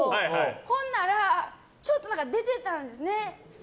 ほんならちょっと出てたんですね